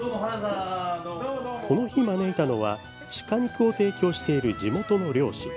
この日、招いたのは鹿肉を提供している地元の猟師。